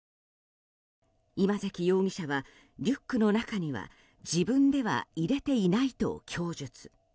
今関容疑者はリュックの中には自分では入れていないと供述。